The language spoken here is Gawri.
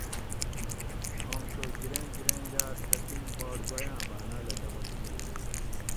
آم چو گیریں گیریں یاۤ تپِین باڈ گوئ آۤں باۤناۤلہ دمہ کِیر